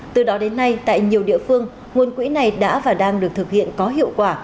từ đó đến nay tại nhiều địa phương nguồn quỹ này đã và đang được thực hiện có hiệu quả